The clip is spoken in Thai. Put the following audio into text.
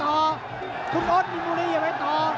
อย่าไปต่อคุณโอ๊ดมิมุรีอย่าไปต่อ